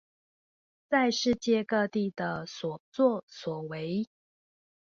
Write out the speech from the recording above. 在世界各地的所作所為